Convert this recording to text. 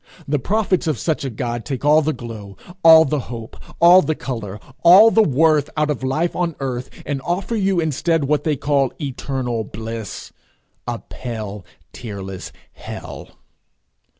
The prophets of such a God take all the glow, all the hope, all the colour, all the worth, out of life on earth, and offer you instead what they call eternal bliss a pale, tearless hell.